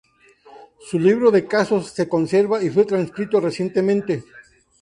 Su libro de casos se conserva y fue transcrito recientemente.